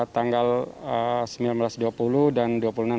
tanggal sembilan belas dua puluh dan dua puluh enam dua puluh tujuh